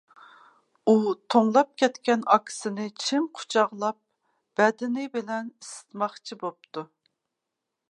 ئۇ توڭلاپ كەتكەن ئاكىسىنى چىڭ قۇچاقلاپ بەدىنى بىلەن ئىسسىتماقچى بوپتۇ.